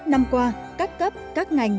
năm mươi một năm qua các cấp các ngành